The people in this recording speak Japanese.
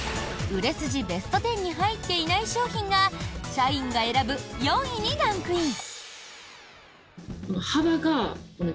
売れ筋ベスト１０に入っていない商品が社員が選ぶ４位にランクイン。